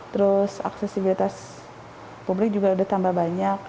terus aksesibilitas publik juga udah tambah banyak